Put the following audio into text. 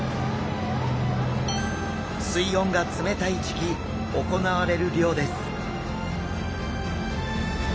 水温が冷たい時期行われる漁です。